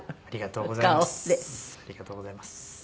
ありがとうございます。